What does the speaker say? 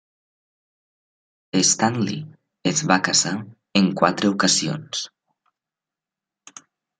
Stanley es va casar en quatre ocasions.